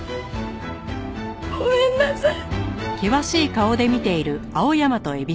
ごめんなさい。